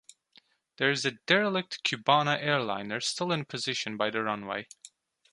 There is a derelict Cubana airliner still in position by the runway.